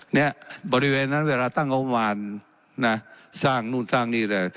เนี่ยบริเวณนั้นเวลาตั้งงบประมาณนะสร้างนู่นสร้างนี่เลย